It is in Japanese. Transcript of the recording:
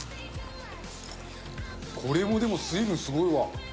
これもでも水分すごいわ。